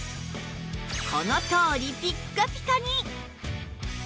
このとおりピッカピカに！